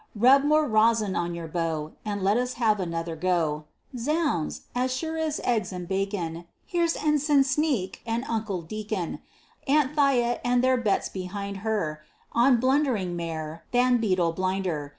Rub more rosin on your bow, And let us have another go. Zounds! as sure as eggs and bacon, Here's ensign Sneak, and Uncle Deacon, Aunt Thiah, and their Bets behind her, On blundering mare, than beetle blinder.